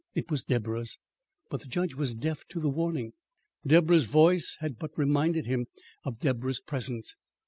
It was Deborah's. But the judge was deaf to the warning. Deborah's voice had but reminded him of Deborah's presence.